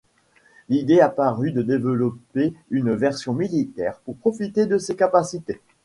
L'idée apparut de développer une version militaire pour profiter de ses capacités.